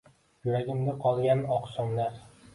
Yuragimda qolgan oqshomlar…